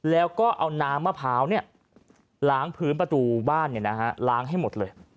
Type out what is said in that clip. แล้วก็เอาน้ำมะพร้าวล้างพื้นประตูบ้านล้างให้หมดเลย